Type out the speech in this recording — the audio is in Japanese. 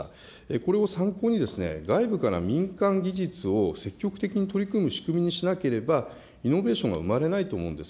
これを参考に、外部から民間技術を積極的に取り組む仕組みにしなければ、イノベーションは生まれないと思うんです。